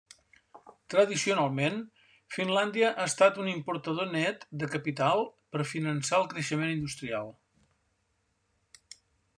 Tradicionalment, Finlàndia ha estat un importador net de capital per finançar el creixement industrial.